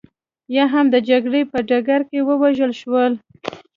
یا هم د جګړې په ډګر کې ووژل شول